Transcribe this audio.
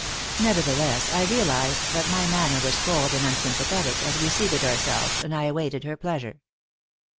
Nevertheless, I realized that my manner was cold and unsympathetic as we seated ourselves and I awaited her pleasure.